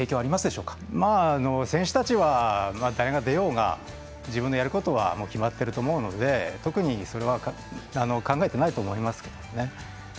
選手たちは自分のやることは決まってると思うので特に、それは考えていないと思いますけどね。